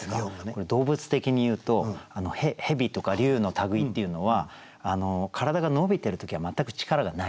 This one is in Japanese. これ動物的にいうと蛇とか龍の類いっていうのは体が伸びてる時は全く力がないんですよ。